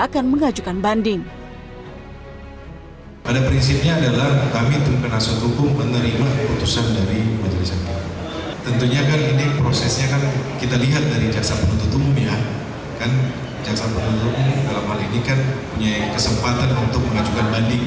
akan mengajukan banding pada prinsipnya adalah kami terkena suku menerima keputusan dari tentunya